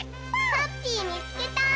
ハッピーみつけた！